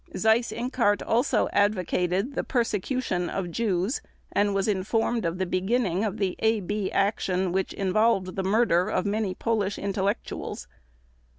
Seyss Inquart also advocated the persecution of Jews and was informed of the beginning of the AB action which involved the murder of many Polish intellectuals.